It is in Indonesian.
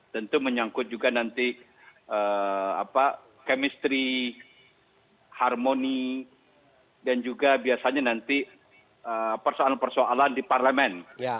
tentu menyangkut juga nanti kemistri harmoni dan juga biasanya nanti persoalan persoalan di parlemen